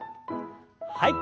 はい。